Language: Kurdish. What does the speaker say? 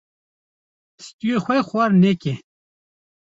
Stûyê xwe xwar neke.